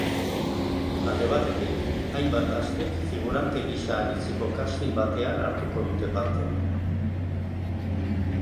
Alde batetik, hainbat gaztek figurante gisa aritzeko casting batean hartuko dute parte.